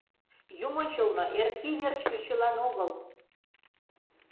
Юмончылно, Эркий верч ӱчылан огыл.